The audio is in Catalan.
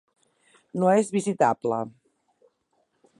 No és visitable.